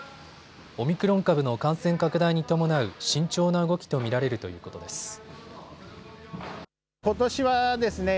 オミクロン株の感染拡大に伴う慎重な動きと見られるということです。